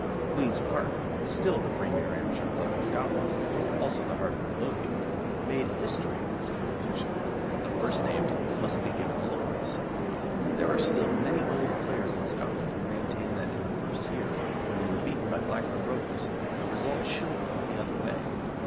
Queen's Park, still the premier amateur club in Scotland, also the Heart of Midlothian, made history in this competition, but the first named must be given the laurels. There are still many old players in Scotland who maintain that in the first year, when they were beaten by Blackburn Rovers, the result should have gone the other way.